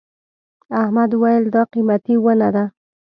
احمد وويل: دا قيمتي ونه ده.